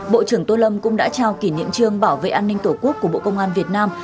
bộ trưởng tô lâm cũng đã trao kỷ niệm trương bảo vệ an ninh tổ quốc của bộ công an việt nam